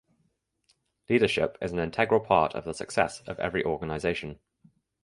Leadership is an integral part of the success of every organization.